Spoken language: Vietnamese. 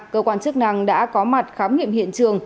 cơ quan chức năng đã có mặt khám nghiệm hiện trường